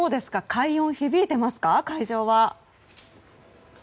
快音響いていますか、会場は。